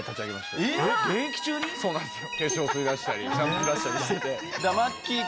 そうなんですよ。